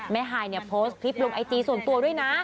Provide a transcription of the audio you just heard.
ฮายเนี่ยโพสต์คลิปลงไอจีส่วนตัวด้วยนะ